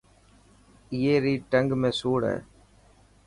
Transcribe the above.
اي ري ٽنگ ۾ سوڙ هي.